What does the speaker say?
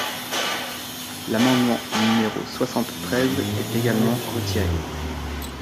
L’amendement numéro soixante-treize est également retiré.